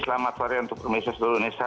selamat hari untuk indonesia